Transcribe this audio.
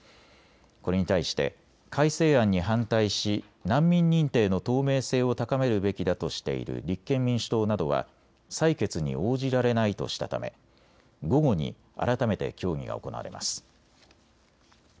これに対して改正案に反対し難民認定の透明性を高めるべきだとしている立憲民主党などは採決に応じられないとしたため午後に改めて協議が行われます。